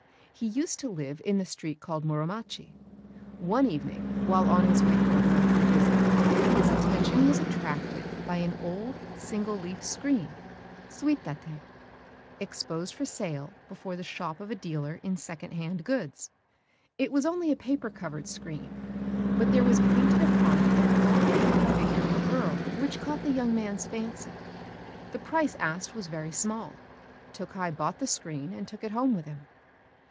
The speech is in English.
He used to live in the street called Muromachi. One evening, while on his way home after a visit, his attention was attracted by an old single leaf screen (tsuitaté), exposed for sale before the shop of a dealer in second hand goods. It was only a paper covered screen; but there was painted upon it the full length figure of a girl which caught the young man's fancy. The price asked was very small: Tokkei bought the screen, and took it home with him.